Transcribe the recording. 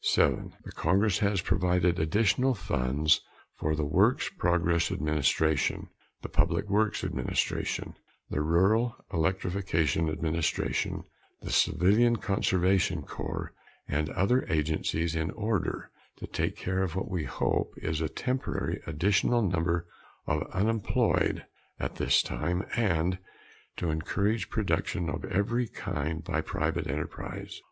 (7) The Congress has provided additional funds for the Works Progress Administration, the Public Works Administration, the Rural Electrification Administration, the Civilian Conservation Corps and other agencies, in order to take care of what we hope is a temporary additional number of unemployed at this time and to encourage production of every kind by private enterprise.